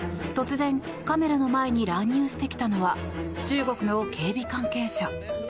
突然、カメラの前に乱入してきたのは中国の警備関係者。